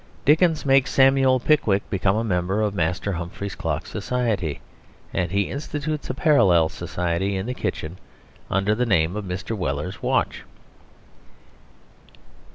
Dickens makes Samuel Pickwick become a member of Master Humphrey's Clock Society; and he institutes a parallel society in the kitchen under the name of Mr. Weller's Watch.